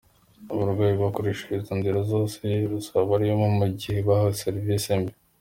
Abarwayi bakoreshe izo nzira zose zabashyiriweho mu gihe bahawe serivisi mbi.”